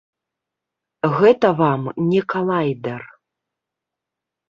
Гэта вам не калайдэр.